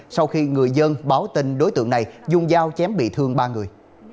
sau khi người dân báo tin đối tượng này dùng dao chém bị thương ba người